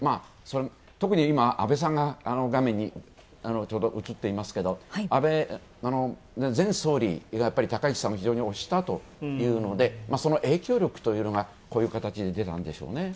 特に、安倍さんが画面に映っていますけど安倍前総理が高市さん、非常に推したというのでその影響力というのがこういう形で出たんでしょうね。